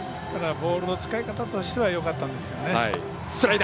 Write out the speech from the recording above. ボールの使い方としてはよかったんですけどね。